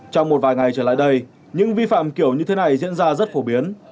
trong một vài ngày trở lại đây những vi phạm kiểu như thế này diễn ra rất phổ biến